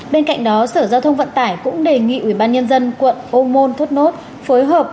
bên cạnh đó sở giao thông vận tải cũng đề nghị ubnd quận ô môn thốt nốt phối hợp